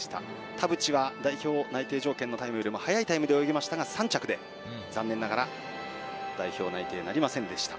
田渕は、代表内定条件よりも早いタイムで泳ぎましたが３着で残念ながら代表内定なりませんでした。